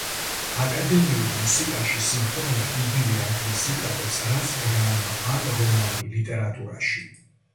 აკადემიურ მუსიკაში სიმფონია იგივე ადგილს იკავებს, რასაც დრამა ან რომანი ლიტერატურაში.